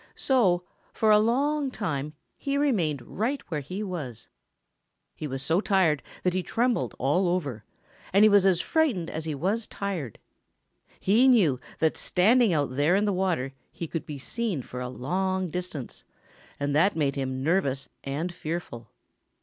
So for a long time he remained right where he was. He was so tired that he trembled all over, and he was as frightened as he was tired. He knew that standing out there in the water he could be seen for a long distance, and that made him nervous and fearful.